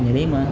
với đấy mà